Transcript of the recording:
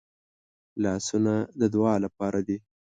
لاسونه د دعا لپاره دي